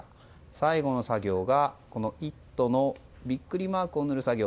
最後の作業が「イット！」のビックリマークを塗る作業。